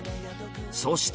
そして。